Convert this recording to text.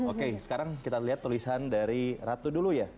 oke sekarang kita lihat tulisan dari ratu dulu ya